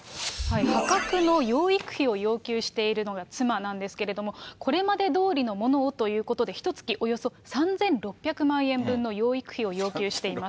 破格の養育費を要求しているのが妻なんですけれども、これまでどおりのものをということで、ひとつきおよそ３６００万円分の養育費を要求しています。